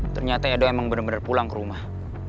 ternyata edo emang bener bener pulang ke rumah